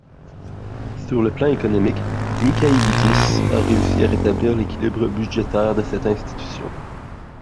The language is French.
Sur le plan économique, Michaïlídis a réussi à rétablir l'équilibre budgétaire de cette institution.